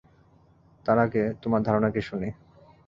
তার আগে তোমার ধারণা কি শুনি।